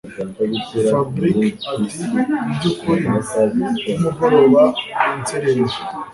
Fabric atimubyukuri nimugoroba mwanserereje